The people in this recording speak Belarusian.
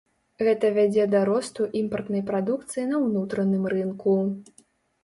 Гэта вядзе да росту імпартнай прадукцыі на ўнутраным рынку.